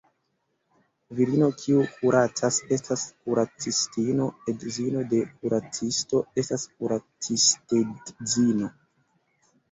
Virino, kiu kuracas, estas kuracistino; edzino de kuracisto estas kuracistedzino.